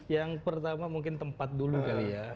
yang pertama mungkin tempat dulu kali ya